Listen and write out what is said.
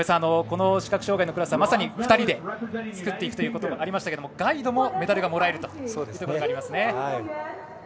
この視覚障がいのクラスはまさに２人で作っていくということがありましたがガイドもメダルがもらえると。